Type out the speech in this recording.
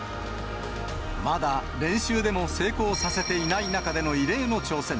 まだ練習でも成功させていない中での、異例の挑戦。